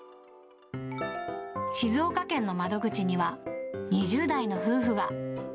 静岡県の窓口には、２０代の夫婦が。